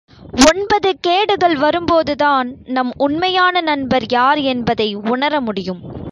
ஒன்பது கேடுகள் வரும்போதுதான் நம் உண்மையான நண்பர் யார் என்பதை உணர முடியும்.